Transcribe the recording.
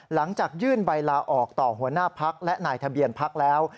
หลังจากยื่นใบลาออกต่อหัวหน้าพักและนายทะเบียนพักแล้ว